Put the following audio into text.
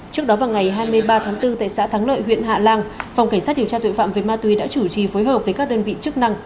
trước đó vào ngày hai mươi ba tháng bốn tại xã thắng lợi huyện hạ lan phòng cảnh sát điều tra tội phạm về ma túy đã chủ trì phối hợp với các đơn vị chức năng